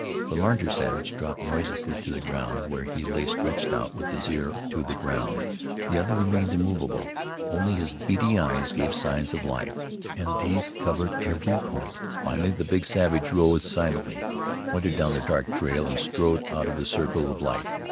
The larger savage dropped noiselessly to the ground, where he lay stretched out with his ear to the ground. The other remained immovable; only his beady eyes gave signs of life, and these covered every point. Finally the big savage rose silently, pointed down the dark trail, and strode out of the circle of light.